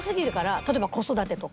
例えば子育てとか。